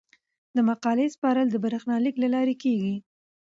د مقالې سپارل د بریښنالیک له لارې کیږي.